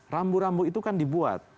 rambu rambu itu kan dibuat